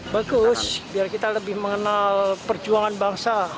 bagus biar kita lebih mengenal perjuangan bangsa